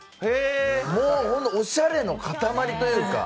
もう、おしゃれの塊というか。